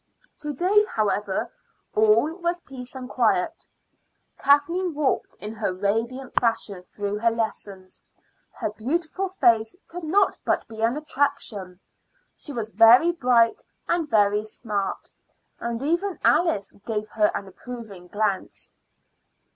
To day, however, all was peace and quiet. Kathleen walked in her radiant fashion through her lessons; her beautiful face could not but be an attraction. She was very bright and very smart, and even Alice gave her an approving glance.